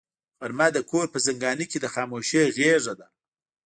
غرمه د کور په زنګانه کې د خاموشۍ غېږه ده